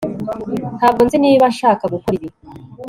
ntabwo nzi niba nshaka gukora ibi